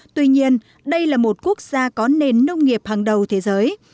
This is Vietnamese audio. tuy nhiên đây là một quốc gia có nền nông nghiệp hàng đầu thế giới